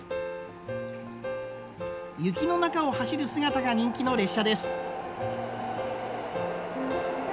雪の中を走る姿が人気の列車です。